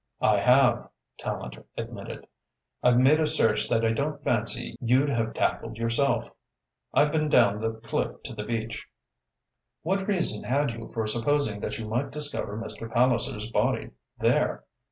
"I have," Tallente admitted. "I've made a search that I don't fancy you'd have tackled yourself. I've been down the cliff to the beach." "What reason had you for supposing that you might discover Mr. Palliser's body there?"